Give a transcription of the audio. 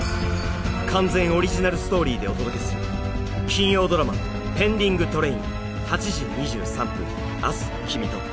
完全オリジナルストーリーでお届けする金曜ドラマ「ＰｅｎｄｉｎｇＴｒａｉｎ−８時２３分、明日君と」